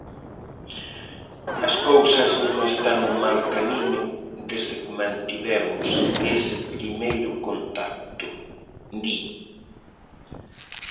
"As cousas non están en mal camiño desde que mantivemos ese primeiro contacto", di.